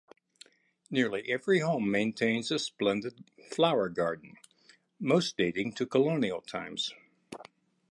Nearly every home maintains a splendid flower garden, most dating to colonial times.